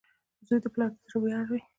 • زوی د پلار د زړۀ ویاړ وي.